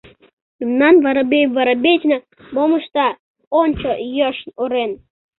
Мемнан Воробей Воробеична мом ышта, ончо... йӧршын орен.